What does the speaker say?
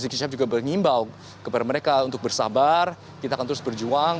jadi rizki syaf juga berimbau kepada mereka untuk bersabar kita akan terus berjuang